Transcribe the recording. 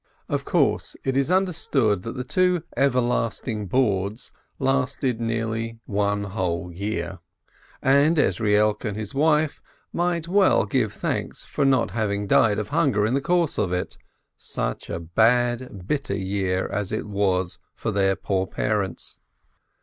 228 LEBNEE Of course, it is understood that the two "everlasting boards" lasted nearly one whole year, and Ezrielk and his wife might well give thanks for not having died of hunger in the course of it, such a bad, bitter year as it was for their poor parents.